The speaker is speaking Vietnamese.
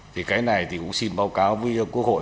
thì cái này thì cũng xin báo cáo với quốc hội